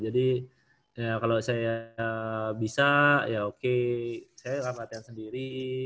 jadi ya kalau saya bisa ya oke saya lakukan latihan sendiri